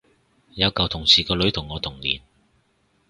有舊同事個女同我同年